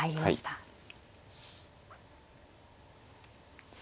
はい。